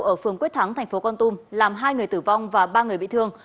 ở phường quyết thắng tp con tum làm hai người tử vong và ba người bị thương